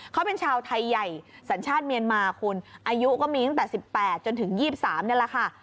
เขาเป็นชาวไทยใหญ่สัญชาติเมียนมาคุณอายุก็มีตั้งแต่๑๘จนถึง๒๓นี่แหละค่ะ